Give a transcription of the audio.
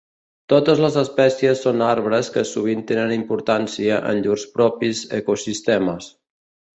Totes les espècies són arbres que sovint tenen importància en llurs propis ecosistemes.